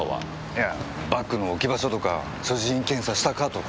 いやバッグの置き場所とか所持品検査したかとか。